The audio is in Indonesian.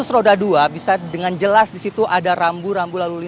roni selamat pagi